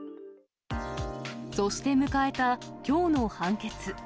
そして迎えた、きょうの判決。